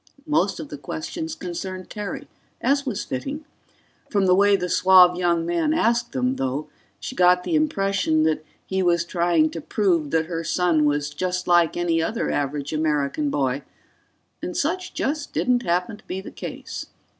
Most of the questions concerned Terry, as was fitting. From the way the suave young man asked them, though, she got the impression that he was trying to prove that her son was just like any other average American boy, and such just didn't happen to be the case.